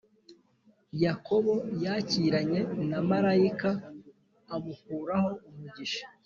yakobo yakiranye na marayika amukuraho umugisha